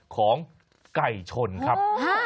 ของไก่ชนครับ